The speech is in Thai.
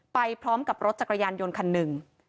ไปพร้อมกับรถจักรยานยนต์คันหนึ่ง